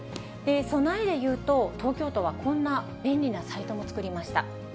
備えでいうと、東京都はこんな便利なサイトも作りました。